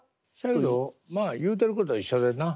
けどまあ言うてることは一緒でんな。